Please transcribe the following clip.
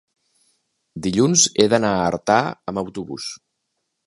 Dilluns he d'anar a Artà amb autobús.